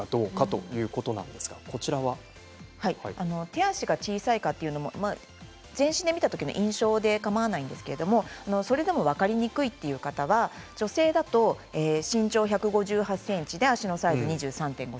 手足が小さいかというのも全身で見たときの印象でかまわないんですけれどそれでも分かりにくいという方は女性だと身長１５８ｃｍで足のサイズ２３．５ｃｍ。